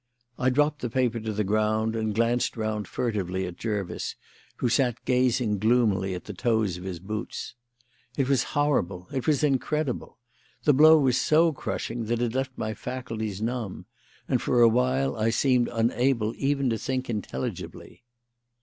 I dropped the paper to the ground and glanced round furtively at Jervis, who sat gazing gloomily at the toes of his boots. It was horrible; It was incredible! The blow was so crushing that it left my faculties numb, and for a while I seemed unable even to think intelligibly.